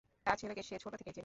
তার ছেলেকে সে ছোট থেকেই চিনে।